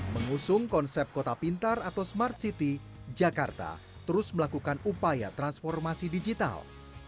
mengusung konsep kota pintar atau smart city jakarta terus melakukan upaya transformasi digital